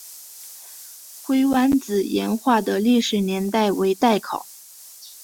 灰湾子岩画的历史年代为待考。